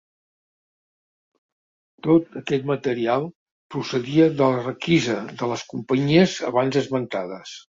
Tot aquest material procedia de la requisa de les companyies abans esmentades.